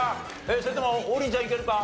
それとも王林ちゃんいけるか？